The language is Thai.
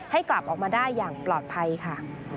ให้กลับออกมาได้อย่างปลอดภัยค่ะ